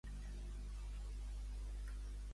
Qui va anar a Tisbe, segons Xenofont?